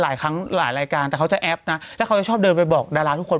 หลายครั้งหลายรายการแต่เขาจะแอปนะแล้วเขาจะชอบเดินไปบอกดาราทุกคน